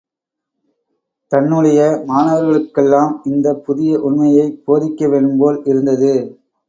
தன்னுடைய மாணவர்களுக்கெல்லாம் இந்தப் புதிய உண்மையைப் போதிக்க வேண்டும்போல் இருந்தது.